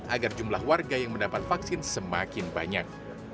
agar jumlah warga yang mendapat vaksin semakin banyak